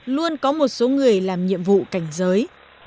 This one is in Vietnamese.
luôn có một số người làm nhiệm vụ cảnh giới